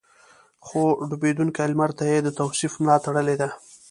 خو ډوبېدونکي لمر ته يې د توصيف ملا تړلې ده.